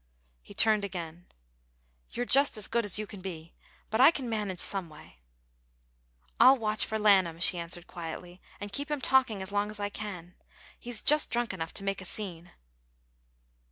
He turned again: "You're just as good as you can be, but I can manage some way." "I'll watch for Lanham," she answered, quietly, "and keep him talking as long as I can. He's just drunk enough to make a scene."